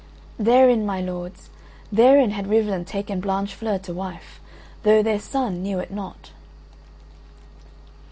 (Therein, my lords, therein had Rivalen taken Blanchefleur to wife, though their son knew it not.)